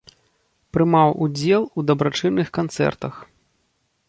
Прымаў удзел у дабрачынных канцэртах.